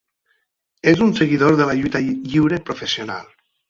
És un seguidor de la lluita lliure professional.